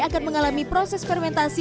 akan mengalami proses fermentasi